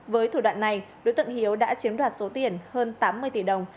với thủ đoạn này đối tượng hiếu đã chiếm đoạt số tiền hơn tám mươi tỷ đồng